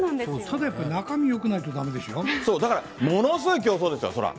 やっぱり中身よくないとだめだから、ものすごい競争ですよ、そりゃ。